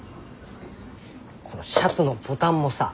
このシャツのボタンもさ